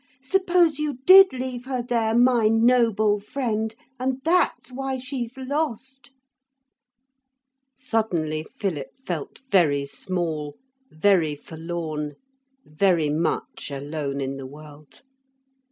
Suppose you did leave her there, my noble friend, and that's why she's lost.' Suddenly Philip felt very small, very forlorn, very much alone in the world.